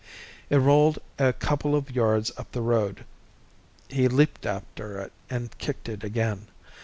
It rolled a couple of yards up the road. He leaped after it and kicked it again.